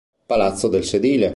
Palazzo del Sedile